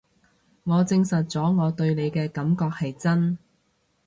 我證實咗我對你嘅感覺係真